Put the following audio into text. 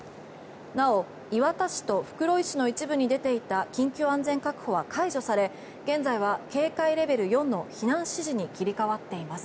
なお磐田市と袋井市の一部に出ていた緊急安全確保は解除され現在は警戒レベル４の避難指示に切り替わっています。